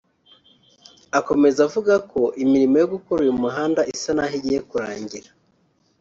Akomeza avuga ko imirimo yo gukora uyu muhanda isa n’aho igiye kurangira